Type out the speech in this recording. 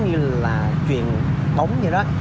chứ không phải là truyền tống như đó